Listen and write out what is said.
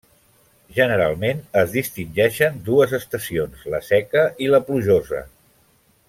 Generalment es distingeixen dues estacions, la seca i la plujosa.